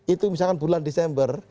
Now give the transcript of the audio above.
itu misalkan bulan desember